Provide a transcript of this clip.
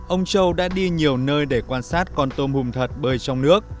ông châu đã đi nhiều nơi để quan sát con tôm hùm thật bơi trong nước